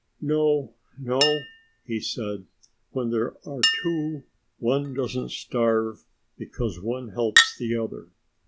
"No, no," he said; "when there are two, one doesn't starve, because one helps the other.